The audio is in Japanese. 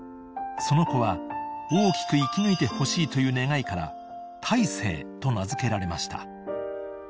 ［その子は「大きく生き抜いてほしい」という願いから「大生」と名付けられました］